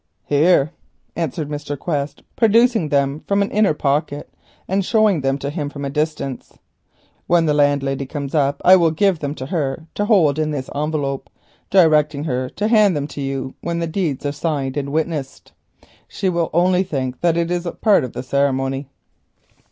"Here," answered Mr. Quest, producing them from an inner pocket, and showing them to him at a distance. "When the landlady comes up I will give them to her to hold in this envelope, directing her to hand them to you when the deeds are signed and witnessed. She will think that it is part of the ceremony."